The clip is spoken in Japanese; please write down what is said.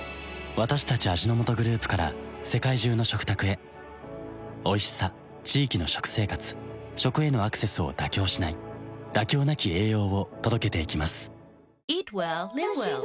私たち味の素グループから世界中の食卓へおいしさ地域の食生活食へのアクセスを妥協しない「妥協なき栄養」を届けていきます